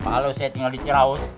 kalau saya tinggal di ciraus